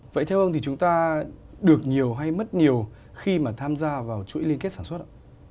vậy theo ông thì chúng ta được nhiều hay mất nhiều khi mà tham gia vào chuỗi liên kết sản xuất ạ